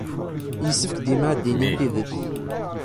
Yessefk dima ad d-tettinim tidet.